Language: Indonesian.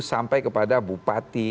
sampai kepada bupati